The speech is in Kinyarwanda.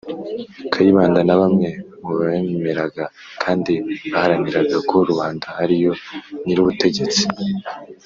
kayibanda na bamwe mu bemeraga kandi baharaniraga ko rubanda ariyo nyir' ubutegetsi,